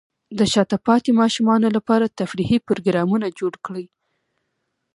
د شاته پاتې ماشومانو لپاره تفریحي پروګرامونه جوړ کړئ.